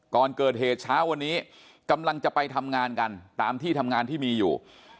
ก่อนเกิดเหตุเช้าวันนี้กำลังจะไปทำงานกันตามที่ทำงานที่มีอยู่